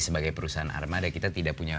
sebagai perusahaan armada kita tidak punya